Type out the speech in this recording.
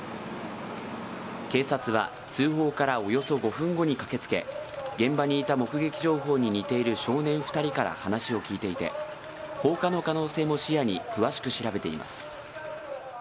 警察は通報からおよそ５分後に駆けつけ、現場にいた目撃情報に似ている少年２人から話を聴いていて、放火の可能性も視野に詳しく調べています。